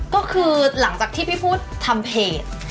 ก็คือหลังจากที่พี่พูดทำเพจ